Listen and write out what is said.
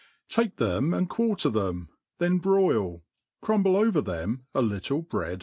TAKE them and qoariee them> then broil, csiimble. over Aem nUttle bread.